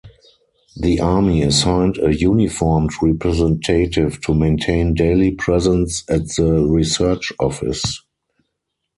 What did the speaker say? The army assigned a uniformed representative to maintain daily presence at the research office.